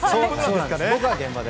僕は現場で。